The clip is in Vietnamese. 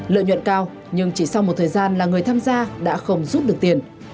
lợi nhuận cao nhưng chỉ sau một thời gian là người tham gia đã không rút được tiền